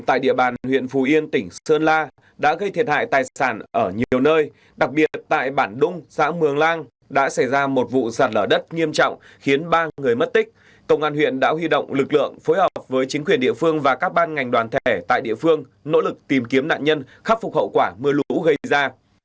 tại địa bàn huyện phù yên tỉnh sơn la đã gây thiệt hại tài sản ở nhiều nơi đặc biệt tại bản đung xã mường lang đã xảy ra một vụ sạt lở đất nghiêm trọng khiến ba người mất tích công an huyện đã huy động lực lượng phối hợp với chính quyền địa phương và các ban ngành đoàn thể tại địa phương nỗ lực tìm kiếm nạn nhân khắc phục hậu quả mưa lũ gây ra